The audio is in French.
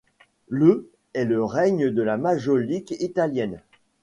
Le est le règne de la majolique italienne.